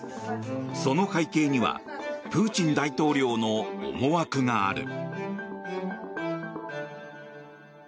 その背景にはプーチン大統領の思惑がある。